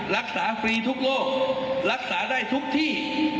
รักษาฟรีทุกโรครักษาได้ทุกที่